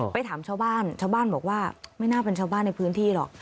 ไปถามชาวบ้านบอกว่าไม่น่าเป็นชาวบ้านหรอก